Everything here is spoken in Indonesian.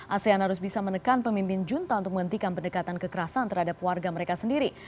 asean harus bisa menekan pemimpin junta untuk menghentikan pendekatan kekerasan terhadap warga mereka sendiri